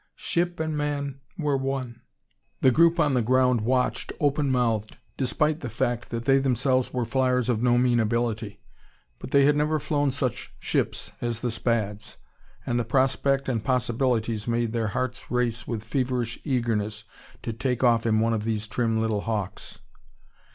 Ship and man were one. The group on the ground watched, open mouthed, despite the fact that they themselves were flyers of no mean ability. But they had never flown such ships as the Spads, and the prospect and possibilities made their hearts race with feverish eagerness to take off in one of these trim little hawks.